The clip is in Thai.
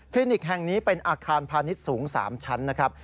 นิกแห่งนี้เป็นอาคารพาณิชย์สูง๓ชั้นนะครับ